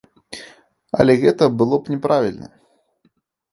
Але гэта было б няправільна.